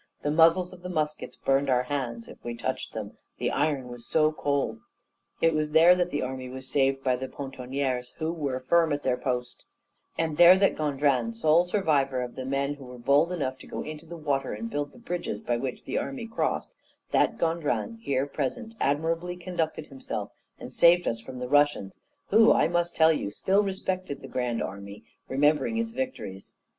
The muzzles of the muskets burned our hands if we touched them, the iron was so cold. It was there that the army was saved by the pontoniers, who were firm at their post; and there that Gondrin sole survivor of the men who were bold enough to go into the water and build the bridges by which the army crossed that Gondrin, here present, admirably conducted himself, and saved us from the Russians, who, I must tell you, still respected the grand army, remembering its victories.